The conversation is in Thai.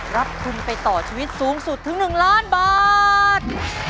รับทุนไปต่อชีวิตสูงสุดถึง๑ล้านบาท